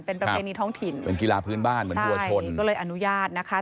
เป็นประเพณีท้องถิ่นเป็นกีฬาพื้นบ้านเหมือนวัวชนก็เลยอนุญาตนะคะ